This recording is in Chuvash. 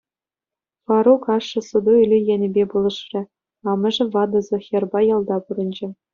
Фарук ашшӗ суту-илӳ енӗпе пулӑшрӗ, амӑшӗ ватӑ Зохерпа ялта пурӑнчӗ.